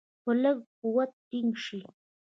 په لږ قوت ټینګ شي.